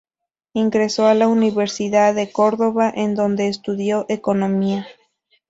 Ingresó a la Universidad de Córdoba, en donde estudió Economía.